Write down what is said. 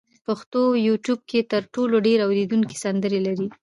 پښتو یوټیوب کې تر ټولو ډېر اورېدونکي سندرې لري.